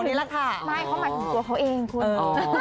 ไม่เข้าหมายถึงกลัวเขาเองคุณ